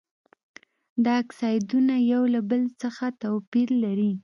دا اکسایدونه یو له بل څخه توپیر لري.